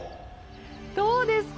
どうですか？